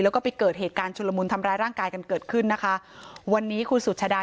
แล้วก็ไปเกิดเหตุการณ์ชุลมุนทำร้ายร่างกายกันเกิดขึ้นนะคะวันนี้คุณสุชาดา